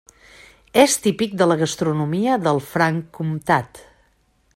És típic de la gastronomia del Franc-Comtat.